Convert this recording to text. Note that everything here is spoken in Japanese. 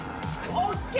ＯＫ！